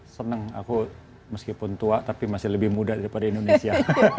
senang aku meskipun tua tapi masih lebih muda daripada indonesia